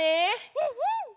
うんうん！